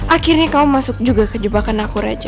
akhirnya kamu masuk juga ke jebakan aku raja